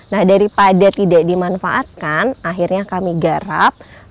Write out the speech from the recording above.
nah daripada tidak dimanfaatkan akhirnya kami garap